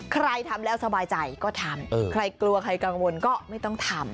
ใครทำแล้วสบายใจก็ทำใครกลัวใครกังวลก็ไม่ต้องทำ